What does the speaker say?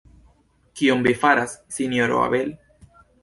Kion Vi faras, Sinjoro Abel?